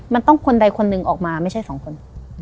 มันต้องคนใดคนหนึ่งออกมาไม่ใช่สองคน